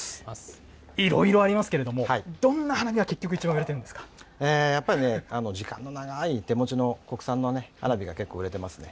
いろいろありますけれども、どんな花火が結局、一番売れてるやっぱりね、時間の長い手持ちの国産の花火が結構売れてますね。